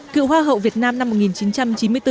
cựu hoa hậu việt nam năm một nghìn chín trăm chín mươi bốn